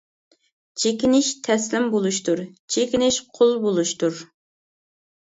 چېكىنىش تەسلىم بولۇشتۇر، چېكىنىش قۇل بولۇشتۇر!